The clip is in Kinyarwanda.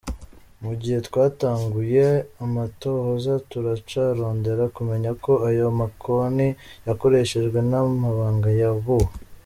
"Mu gihe twatanguye amatohoza, turacarondera kumenya ko ayo makonti yakoreshejwe, n'amabanga yabuwe.